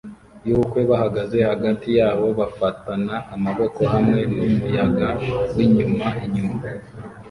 yubukwe bahagaze hagati yabo bafatana amaboko hamwe numuyaga winyuma inyuma